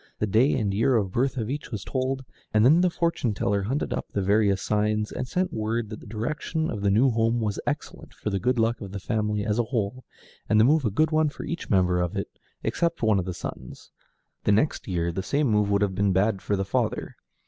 The day and year of birth of each was told, and then the fortune teller hunted up the various signs, and sent word that the direction of the new home was excellent for the good luck of the family as a whole, and the move a good one for each member of it except one of the sons; the next year the same move would be bad for the father.